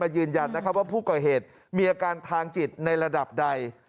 ยืนยันนะครับว่าผู้ก่อเหตุมีอาการทางจิตในระดับใด